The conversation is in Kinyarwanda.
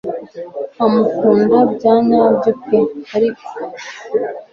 amukunda byanyabyo pe ariko